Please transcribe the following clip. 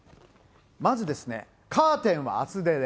まず、カーテンは厚手で、